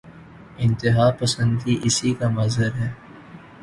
انتہاپسندی اسی کا مظہر ہے۔